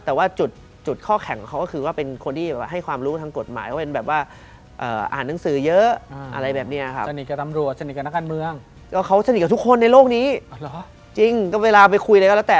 แต่ว่าจุดข้อแข็งของเขาก็คือว่าเป็นคนที่แบบให้ความรู้ทำกฎหมายเขาเป็นแบบว่าร่างหนังสือเยอะอะไรแบบนี้นะครับ